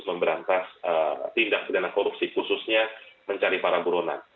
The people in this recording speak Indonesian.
memberantas tindak pidana korupsi khususnya mencari para buronan